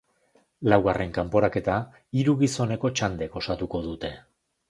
Laugarren kanporaketa hiru gizoneko txandek osatuko dute.